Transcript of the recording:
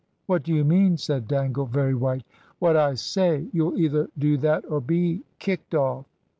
"What do you mean?" said Dangle, very white. "What I say. You'll either do that or be kicked off."